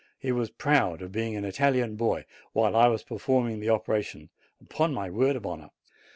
He was proud of being an Italian boy, while I was performing the operation, upon my word of honor.